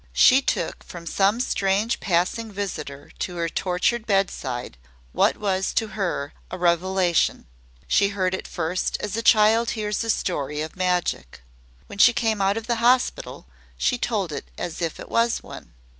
She took from some strange passing visitor to her tortured bedside what was to her a revelation. She heard it first as a child hears a story of magic. When she came out of the hospital, she told it as if it was one.